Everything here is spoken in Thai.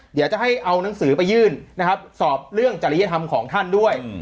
เดี๋ยวจะให้เอานังสือไปยื่นนะครับสอบเรื่องจริยธรรมของท่านด้วย